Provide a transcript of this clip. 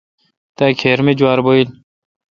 تا کھیر می جوار بھویل۔